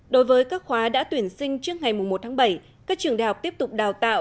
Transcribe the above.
đối với các khóa đã tuyển sinh trước ngày một tháng bảy các trường đại học tiếp tục đào tạo